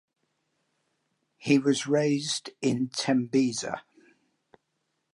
He was raised in Tembisa.